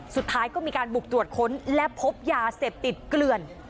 สุดท้ายก็มีการบุกตรวจค้นและพบยาเสพติดเกลื่อน